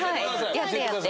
やってやって。